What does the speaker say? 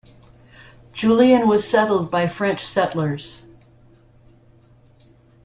Julian was settled by French settlers.